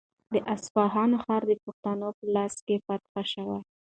د اصفهان ښار د پښتنو په لاس فتح شو.